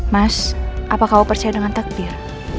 mas apa kau percaya dengan takdir